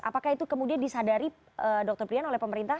apakah itu kemudian disadari dr prian oleh pemerintah